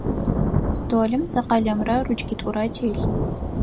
Столым зы къэлэмрэ ручкитӏурэ телъ.